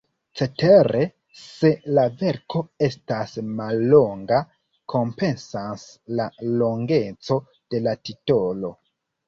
Cetere, se la verko estas mallonga, kompensas la longeco de la titolo.